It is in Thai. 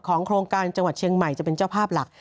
โครงการจังหวัดเชียงใหม่จะเป็นเจ้าภาพหลัก